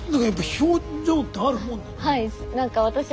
表情ってあるもんなの？